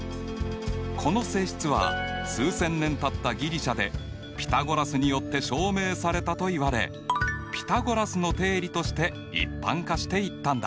この性質は数千年たったギリシャでピタゴラスによって証明されたといわれピタゴラスの定理として一般化していったんだ。